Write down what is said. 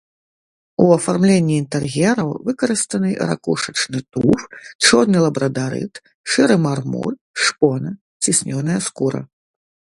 У афармленні інтэр'ераў выкарыстаны ракушачны туф, чорны лабрадарыт, шэры мармур, шпона, ціснёная скура.